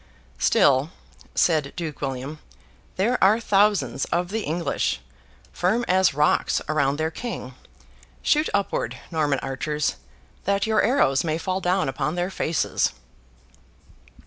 'Still,' said Duke William, 'there are thousands of the English, firm as rocks around their King. Shoot upward, Norman archers, that your arrows may fall down upon their faces!